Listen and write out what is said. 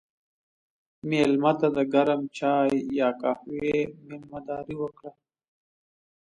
مېلمه ته د ګرم چای یا قهوې میلمهداري وکړه.